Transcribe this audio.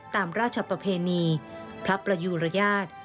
ตามราชประเพณีพระประยุรยาท